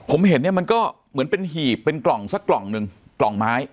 ผมเห็นเนี่ยมันก็เหมือนเป็นหีบเป็นกล่องสักกล่องหนึ่งกล่องไม้